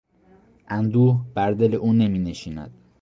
اندوه بر دل او نمینشیند.